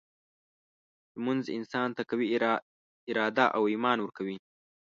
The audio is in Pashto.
لمونځ انسان ته قوي اراده او ایمان ورکوي.